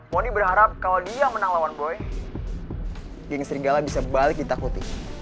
mony berharap kalau dia menang lawan boy gang serigala bisa balik ditakuti